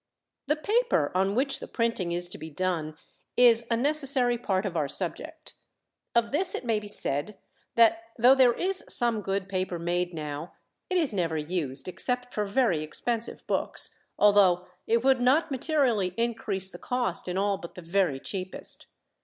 The paper on which the printing is to be done is a necessary part of our subject: of this it may be said that though there is some good paper made now, it is never used except for very expensive books, although it would not materially increase the cost in all but the very cheapest.